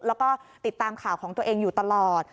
แล้วก็ติดตามข่าวของตัวเองอยู่ตลอด